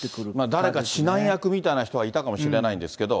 誰か指南役みたいな人がいたかもしれないんですけど。